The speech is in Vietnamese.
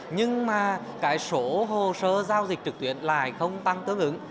nhưng mà cái số hồ sơ giao dịch trực tuyến lại không tăng tương ứng